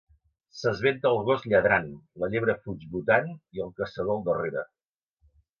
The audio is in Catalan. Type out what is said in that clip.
S’esventa el gos lladrant, la llebre fuig botant, i el caçador al darrere.